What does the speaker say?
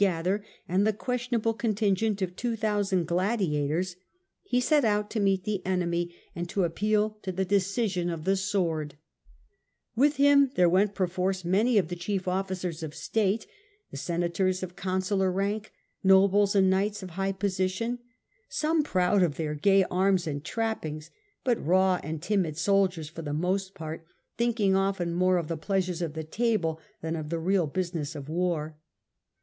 gather and the questionable contingent of two thousand gladiators, he set out to meet the enemy and A.D. 69 . Otho, 131 to appeal to the decision of the sword With him there went perforce many of the chief officers of state, the senators of consular rank, nobles and knights of high position : some proud of their gay arms and trappings, but raw and timid soldiers for the most part, thinking often more of the pleasures of the table than of the real business of war.